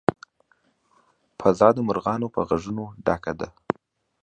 فضا د مرغانو په غږونو ډکه ده.